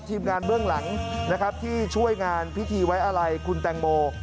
ทีมงานเบื้องหลังที่ช่วยงานพิธีไว้อาลัยคุณแต่งโม